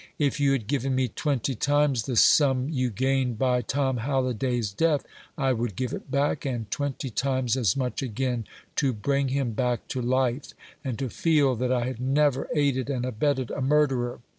If you had given me twenty times the sum you gained by Tom Halliday's death, I would give it back, and twenty times as much again, to bring him back to life, and to feel that I had never aided and abetted a murderer.